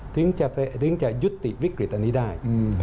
ถึงจะยุติวิกฤตอันนี้ได้